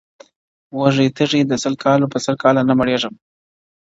وږی تږی د سل کالو په سل کاله نه مړېږم,